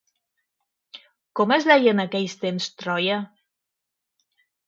Com es deia en aquells temps Troia?